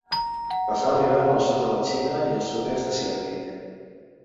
Passa l'hivern al sud de la Xina i el Sud-est asiàtic.